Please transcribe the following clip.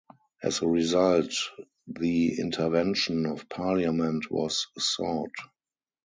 As a result, the intervention of Parliament was sought.